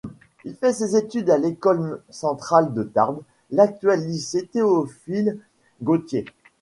Il fait ses études à l'École centrale de Tarbes, l'actuel lycée Théophile-Gautier.